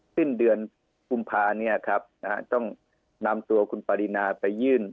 สิ้นเดือนภูมิภาต้องนำตัวคุณปริณาไปยื่น